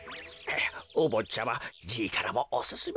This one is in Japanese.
おぼっちゃまじいからもおすすめいたします。